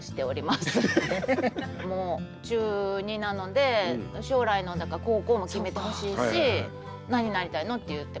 もう中２なので将来のだから高校も決めてほしいし「何になりたいの？」って言っても「あ」